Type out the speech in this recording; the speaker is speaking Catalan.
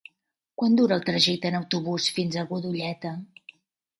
Quant dura el trajecte en autobús fins a Godelleta?